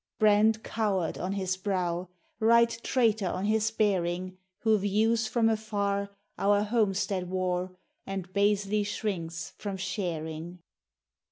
Brand "COWARD" on his brow! Write "TRAITOR" on his bearing, Who views from afar Our "homestead" war, And basely shrinks from sharing!